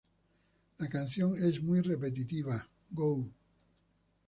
La canción es muy repetitiva "gou".